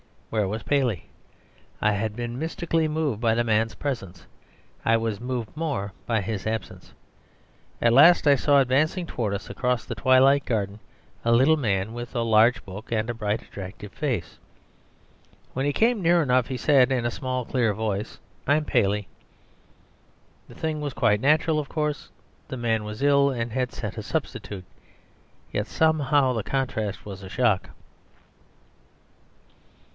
Where was Paley? I had been mystically moved by the man's presence; I was moved more by his absence. At last I saw advancing towards us across the twilight garden a little man with a large book and a bright attractive face. When he came near enough he said, in a small, clear voice, "I'm Paley." The thing was quite natural, of course; the man was ill and had sent a substitute. Yet somehow the contrast was a shock.